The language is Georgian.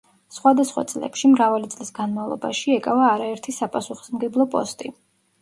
სხვადასხვა წლებში, მრავალი წლის განმავლობაში, ეკავა არაერთი საპასუხისმგებლო პოსტი.